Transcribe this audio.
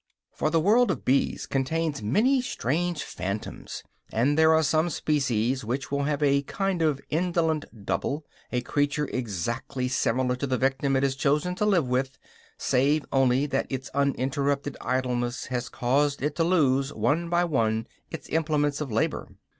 For the world of bees contains many strange phantoms; and there are some species which will have a kind of indolent double, a creature exactly similar to the victim it has chosen to live with, save only that its uninterrupted idleness has caused it to lose one by one its implements of labor.